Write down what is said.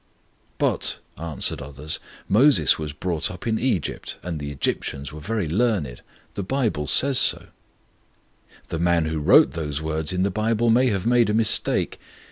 'But Moses was brought up in Egypt, and the Egyptians were very learned; the Bible says so,' answered others. 'The man who wrote those words in the Bible may have made a mistake.